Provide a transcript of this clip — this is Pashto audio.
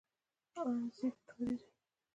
ان زاید توري دي.